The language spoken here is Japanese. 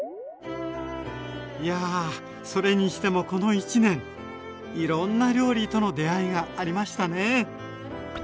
いやそれにしてもこの１年いろんな料理との出会いがありましたね。